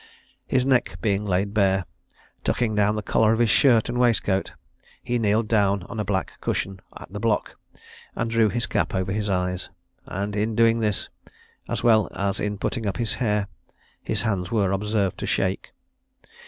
His neck being laid bare, tucking down the collar of his shirt and waistcoat, he kneeled down on a black cushion at the block, and drew his cap over his eyes; and in doing this, as well as in putting up his hair, his hands were observed to shake.